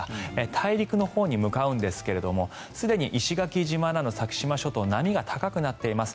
大陸のほうに向かうんですがすでに石垣島など先島諸島波が高くなっています。